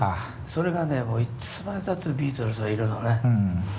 それがねいつまでたってもビートルズはいるのね。